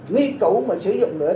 nghi củ sử dụng nữa